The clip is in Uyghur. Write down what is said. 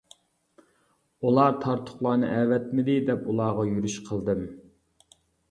ئۇلار تارتۇقلارنى ئەۋەتمىدى دەپ ئۇلارغا يۈرۈش قىلدىم.